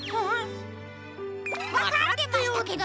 わかってましたけどね！